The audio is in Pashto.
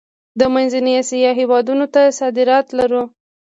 د منځنۍ اسیا هیوادونو ته صادرات لرو؟